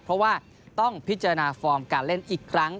เพราะว่าต้องพิจารณาฟอร์มการเล่นอีกครั้ง